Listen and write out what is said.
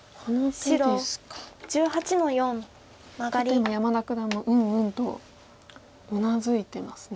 ちょっと山田九段もうんうんとうなずいてますね。